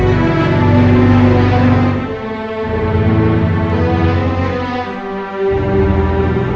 udah sampe mana kum